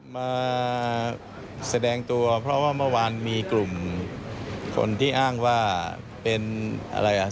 มาแสดงตัวเพราะว่าเมื่อวานมีกลุ่มคนที่อ้างว่าเป็นอะไรอ่ะ